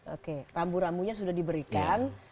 oke rambu rambunya sudah diberikan